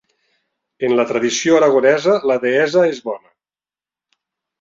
En la tradició aragonesa la deessa és bona.